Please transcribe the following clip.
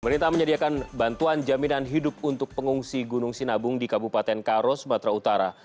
pemerintah menyediakan bantuan jaminan hidup untuk pengungsi gunung sinabung di kabupaten karo sumatera utara